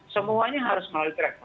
semuanya harus melalui travel